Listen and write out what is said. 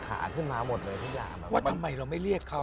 ขาขึ้นมาหมดเลยทุกอย่างว่าทำไมเราไม่เรียกเขา